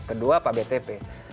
kedua pak btp